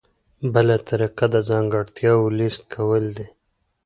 بله طریقه د ځانګړتیاوو لیست کول دي.